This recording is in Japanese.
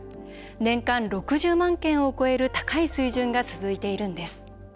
年間６０万件を超える高い水準が続いているんです。